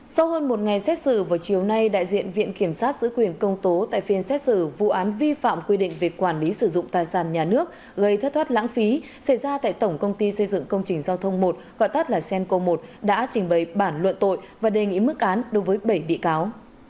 sau hơn một ngày xét xử vào chiều nay đại diện viện kiểm sát giữ quyền công tố tại phiên xét xử vụ án vi phạm quy định về quản lý sử dụng tài sản nhà nước gây thất thoát lãng phí xảy ra tại tổng công ty xây dựng công trình giao thông một gọi tắt là cenco một đã trình bày bản luận tội và đề nghị mức án đối với bảy bị cáo